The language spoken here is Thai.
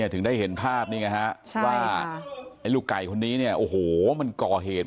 ถึงได้เห็นภาพนี้ไงว่าลูกไก่คนนี้โอ้โหมันก่อเหตุ